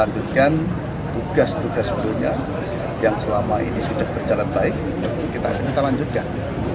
kita tugas tugas sebelumnya yang selama ini sudah berjalan baik kita lanjutkan